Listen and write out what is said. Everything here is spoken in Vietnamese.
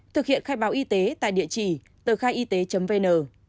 thực hiện khai báo y tế tại địa chỉ tờ khaiyt vn